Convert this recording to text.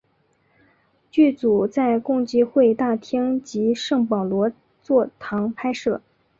剧组在共济会大厅及圣保罗座堂拍摄。